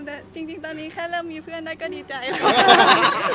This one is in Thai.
แต่จริงตอนนี้แค่เริ่มมีเพื่อนได้ก็ดีใจค่ะ